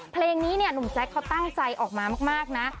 เพลงนี้เนี่ยหนุ่มแจ๊คเขาตั้งใจออกมามากนะ